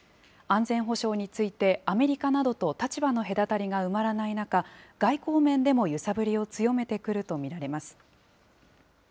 安全保障についてアメリカなどと立場の隔たりが埋まらない中、外交面でも揺さぶりを強めてくると見られます。